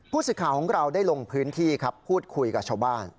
สิทธิ์ข่าวของเราได้ลงพื้นที่ครับพูดคุยกับชาวบ้าน